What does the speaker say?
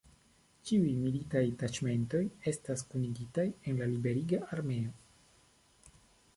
Ĉiuj militaj taĉmentoj estas kunigitaj en la Liberiga Armeo.